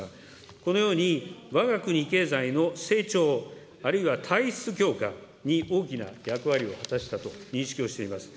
このようにわが国経済の成長、あるいは体質強化に大きな役割を果たしたと認識をしています。